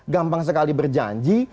gampang sekali berjanji